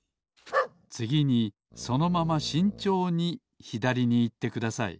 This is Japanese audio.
つぎにそのまましんちょうにひだりにいってください